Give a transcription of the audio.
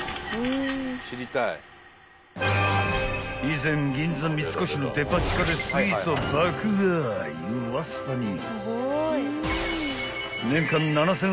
［以前銀座三越のデパ地下でスイーツを爆買いウワサに］